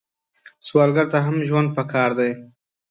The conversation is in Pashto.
سوالګر ته هم ژوند پکار دی